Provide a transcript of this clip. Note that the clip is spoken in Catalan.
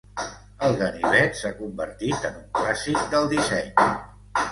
El ganivet s'ha convertit en un clàssic del disseny.